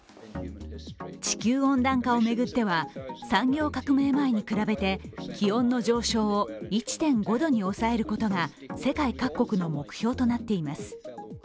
地球温暖化を巡っては、産業革命前に比べて気温の上昇を１．５度に抑えることが世界各国の目標となっています。